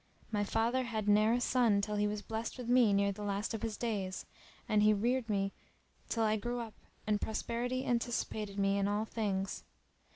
My father had ne'er a son till he was blest with me near the last of his days; and he reared me till I grew up and prosperity anticipated me in all things.